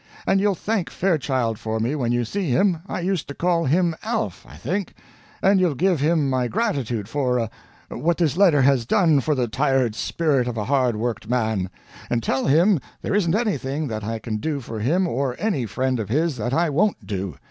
And you'll thank Fairchild for me when you see him I used to call him Alf, I think and you'll give him my gratitude for what this letter has done for the tired spirit of a hard worked man; and tell him there isn't anything that I can do for him or any friend of his that I won't do.